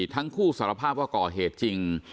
ทั้งคู่สารภาพว่าก่อเหตุจริง